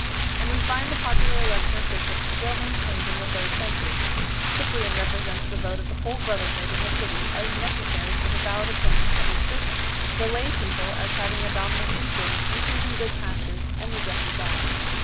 And we find the popular election of bishops still main tained in the third century ; Cyprian 8 represents the vote of the whole brotherhood in a city as necessary for the valid appointment of its bishop, the lay people as having a dominant influence in choosing good pastors and reject ing bad.